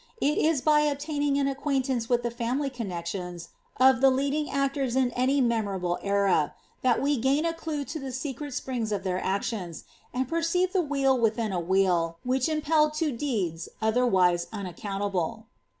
It is by obtaining an ;e with the family connexions of the leading actors in any era, that we gain a clue to the secret springs of their actions, e the wheel within a wheel which impelled to deeds other 3un table.